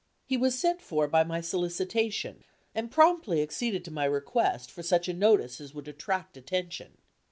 He was sent for by my solicitation, and promptly acceded to my request for such a notice as would attract attention.